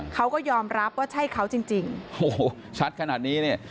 เขาก็ยอมรับว่าใช่เขาจริงจริงโอ้โหชัดขนาดนี้เนี่ย